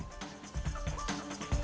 oke terima kasih pak halim